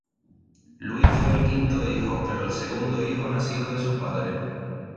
Luis fue el quinto hijo, pero el segundo hijo nacido a sus padres.